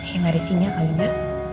ya gak ada sinyal kali ya